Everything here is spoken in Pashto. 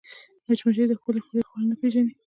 مچمچۍ د خپلې خولې خوند نه پېژني